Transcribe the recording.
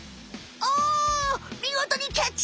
おみごとにキャッチ！